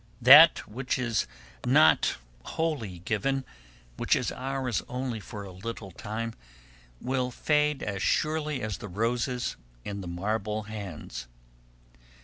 That which is not wholly given, which is ours only for a little time, will fade as surely as the roses in the marble hands.